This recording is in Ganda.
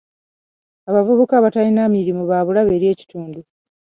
Abavubuka abatalina mirimu ba bulabe eri ekitundu.